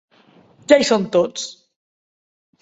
Ja hi som tots!